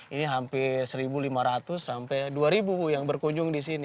ini hampir satu lima ratus sampai dua ribu bu yang berkunjung di sini